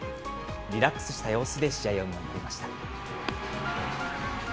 リラックスした様子で試合を見守りました。